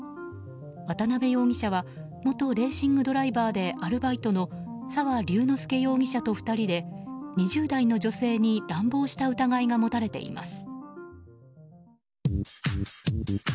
渡辺容疑者は元トレーシングドライバーでアルバイトの澤龍之介容疑者と２人で２０代の女性に乱暴した疑いが持たれています。